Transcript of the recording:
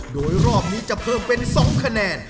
โดยรอบนี้จะเพิ่มเป็น๒คะแนน